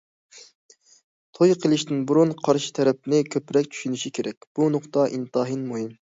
توي قىلىشتىن بۇرۇن قارشى تەرەپنى كۆپرەك چۈشىنىش كېرەك، بۇ نۇقتا ئىنتايىن مۇھىم.